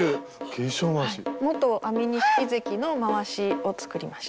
元安美錦関のまわしを作りました。